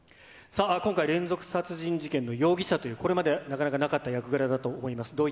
さあ、今回、連続殺人事件の容疑者という、これまでなかなかなかった役柄だったと思います。